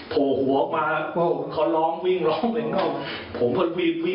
โผล่หัวมาเขาล้อมวิ่งล้อมวิ่งออกผมก็วิ่งมาวิ่งฝาออกมาให้ทำอะไร